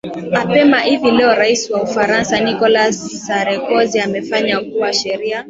apema hivi leo rais wa ufaransa nicholas sarekozy amefanya kuwa sheria